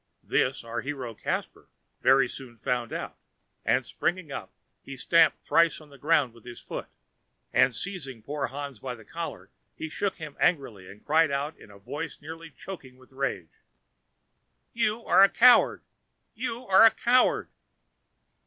This our hero, Caspar, very soon found out; and springing up, he stamped thrice on the ground with his foot, and seizing poor Hans by the collar, he shook him angrily, and cried out in a voice nearly choked with rage: "You are a coward! you are a coward!"